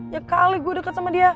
ya kali gue deket sama dia